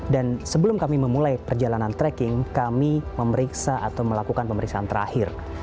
dan sebelum kami memulai perjalanan trekking kami memeriksa atau melakukan pemeriksaan terakhir